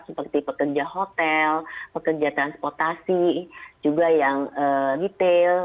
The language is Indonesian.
seperti pekerja hotel pekerja transportasi juga yang retail